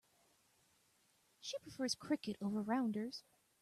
She prefers cricket over rounders.